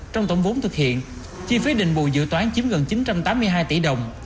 trong tổng vốn thực hiện chi phí định bù dự toán chiếm gần chín trăm tám mươi hai tỷ đồng